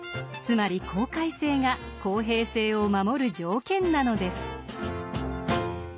つまり公開性が公平性を守る条件なのです。